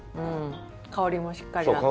香りもしっかりあって。